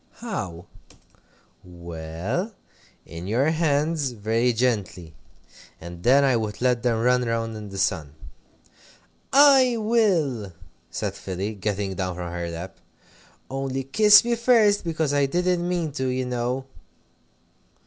"How?" "Well in your hands, very gently. And then I would let them run round in the sun." "I will!" said Philly, getting down from her lap. "Only kiss me first, because I didn't mean to, you know!"